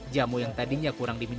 jamu yang tadinya kurang diminum